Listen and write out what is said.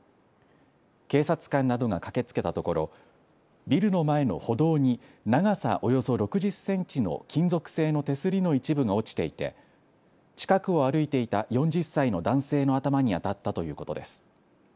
警察官などが駆けつけたところビルの前の歩道に長さおよそ６０センチの金属製の手すりの一部が落ちていて近くを歩いていた４０歳の男性の頭に当たったということです。